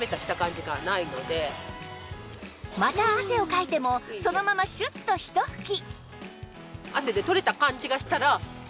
また汗をかいてもそのままシュッとひと吹き